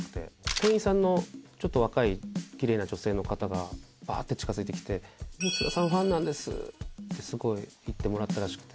店員さんのちょっと若いキレイな女性の方がバーッて近付いてきて「津田さんファンなんです！」ってすごい言ってもらったらしくて。